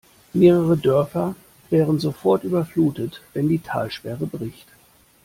Mehrere Dörfer wären sofort überflutet, wenn die Talsperre bricht.